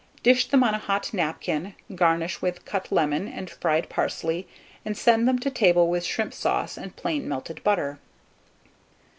Dish them on a hot napkin, garnish with cut lemon and fried parsley, and send them to table with shrimp sauce and plain melted butter.